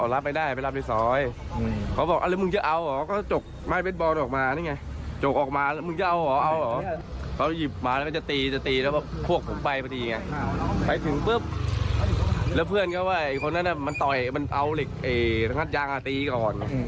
แล้วเพื่อนก็ว่าไอ้คนนั้นมันต่อยมันเอาเหล็กงัดยางตีก่อน